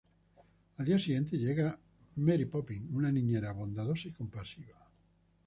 Al día siguiente, llega Mary Poppins, una niñera, bondadosa y compasiva.